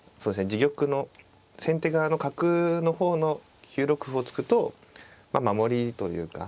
自玉の先手側の角の方の９六歩を突くと守りというか。